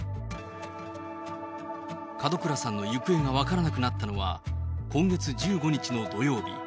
門倉さんの行方が分からなくなったのは、今月１５日の土曜日。